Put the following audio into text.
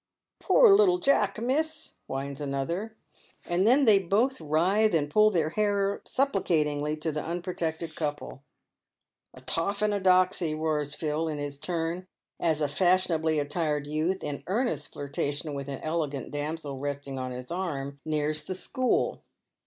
"Poor little Jack, miss," whines another; and then they both writhe and pull their hair supplicatingly to the unprotected couple. "A toff and a doxy," roars Phil, in his turn, as a fashionably attired youth, in earnest flirtation with an elegant damsel resting on his arm, nears the "school."